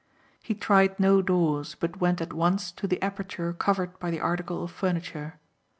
He tried no doors but went at once to the aperture covered by the article of furniture.